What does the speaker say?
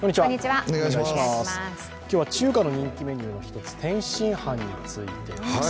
今日は中華の人気メニューの一つ、天津飯についてです。